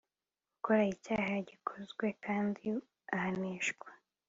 gukora icyaha gikozwe kandi ahanishwa